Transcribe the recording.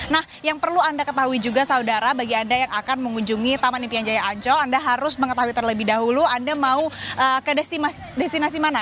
nah yang perlu anda ketahui juga saudara bagi anda yang akan mengunjungi taman impian jaya ancol anda harus mengetahui terlebih dahulu anda mau ke destinasi mana